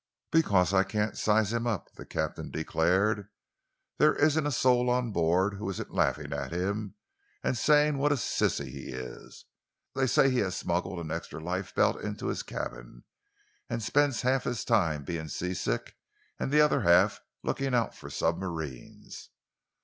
"Because I can't size him up," the captain declared. "There isn't a soul on board who isn't laughing at him and saying what a sissy he is. They say he has smuggled an extra lifebelt into his cabin, and spends half his time being seasick and the other half looking out for submarines."